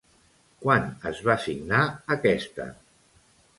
Quan es va signar aquesta?